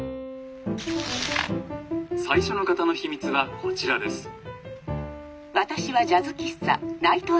「最初の方の秘密はこちらです」。